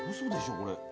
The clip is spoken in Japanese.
これ。